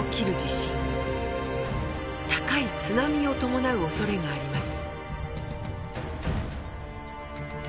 高い津波を伴うおそれがあります。